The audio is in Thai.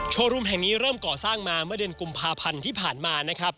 รุมแห่งนี้เริ่มก่อสร้างมาเมื่อเดือนกุมภาพันธ์ที่ผ่านมานะครับ